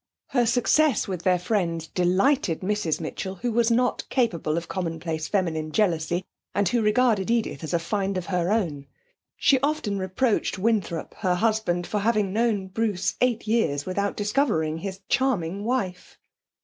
Her success with their friends delighted Mrs Mitchell, who was not capable of commonplace feminine jealousy, and who regarded Edith as a find of her own. She often reproached Winthrop, her husband, for having known Bruce eight years without discovering his charming wife.